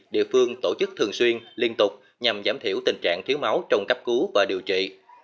địa phương tổ chức thường xuyên liên tục nhằm giảm thiểu tình trạng thiếu máu trong cấp cứu và điều trị